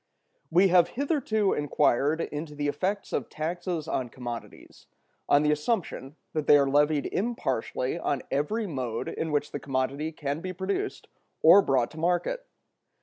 We have hitherto inquired into the effects of taxes on commodities, on the assumption that they are levied impartially on every mode in which the commodity can be produced or brought to market.